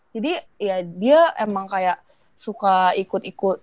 jadi ya dia emang kayak suka ikut ikut